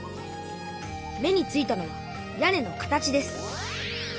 目についたのは屋根の形です。